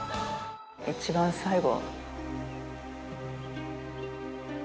一番最後。